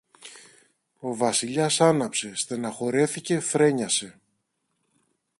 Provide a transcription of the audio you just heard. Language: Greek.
Ο Βασιλιάς άναψε, στενοχωρέθηκε, φρένιασε.